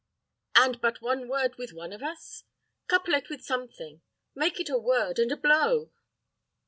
And but one word with one of us? Couple it with something; make it a word and a blow.